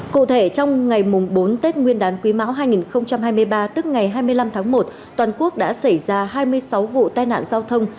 cụ thể trong ngày bốn tết nguyên đán quý mão hai nghìn hai mươi ba tức ngày hai mươi năm tháng một toàn quốc đã xảy ra hai mươi sáu vụ tai nạn giao thông